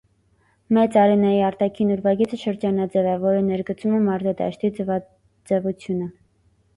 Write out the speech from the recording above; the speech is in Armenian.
Մեծ արենայի արտաքին ուրվագիծը շրջանաձև է, որը ներգծում է մարզադաշտի ձվաձևությունը։